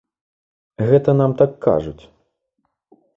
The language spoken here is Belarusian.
Гэта нам так кажуць.